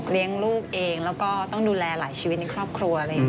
เลี้ยงลูกเองแล้วก็ต้องดูแลหลายชีวิตในครอบครัว